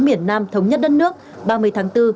miền nam thống nhất đất nước ba mươi tháng bốn